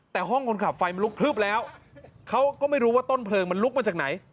แต่ห้องคนขับไฟมันลุกพลึบแล้วเขาก็ไม่รู้ว่าต้นเพลิงมันลุกมาจากไหน